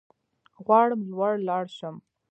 غواړم لوړ لاړ شم